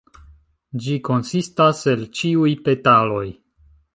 Ĝi konsistas el ĉiuj petaloj.